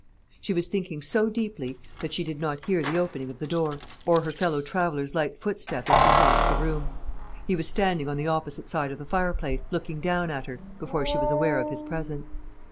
She was thinking so deeply, that she did not hear the opening of the door, or her fellow traveller's light footstep as he crossed the room. He was standing on the opposite side of the fireplace, looking down at her, before she was aware of his presence.